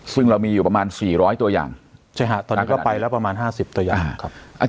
ซึ่งเรามีอยู่ประมาณ๔๐๐ตัวอย่างตอนนี้ก็ไปแล้วประมาณ๕๐ตัวอย่าง